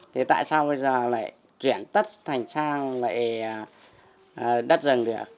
thì tại sao bây giờ lại chuyển tất thành sang lại đất rừng được